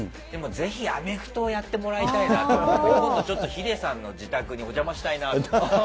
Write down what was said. でもぜひアメフトをやってもらいたいなと思って、今度ちょっと、ヒデさんの自宅にお邪魔したいなって。